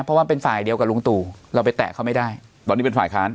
เพราะว่าเป็นฝ่ายเดียวกับลุงตู่เราไปแตะเขาไม่ได้ตอนนี้เป็นฝ่ายค้าน